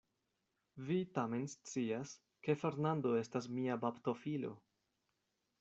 Vi tamen scias, ke Fernando estas mia baptofilo.